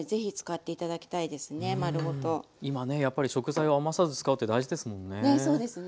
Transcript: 今ねやっぱり食材を余すさず使うって大事ですもんね。